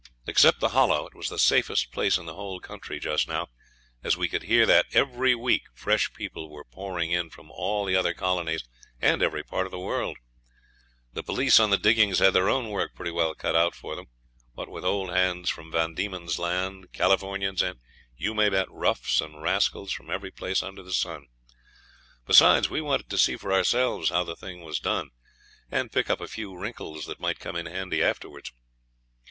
Except the Hollow it was the safest place in the whole country just now, as we could hear that every week fresh people were pouring in from all the other colonies, and every part of the world. The police on the diggings had their own work pretty well cut out for them, what with old hands from Van Diemen's Land, Californians and, you may bet, roughs and rascals from every place under the sun. Besides, we wanted to see for ourselves how the thing was done, and pick up a few wrinkles that might come in handy afterwards.